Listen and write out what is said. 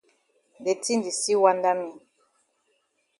De tin di still wanda me.